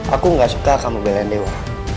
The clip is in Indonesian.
aku gak suka kamu belain dewa